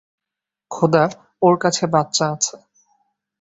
খোদা, ওর কাছে বাচ্চা আছে।